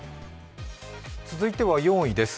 続いては４位です。